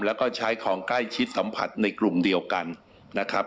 แล้วก็ใช้ของใกล้ชิดสัมผัสในกลุ่มเดียวกันนะครับ